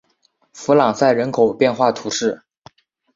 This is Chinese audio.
弗朗赛人口变化图示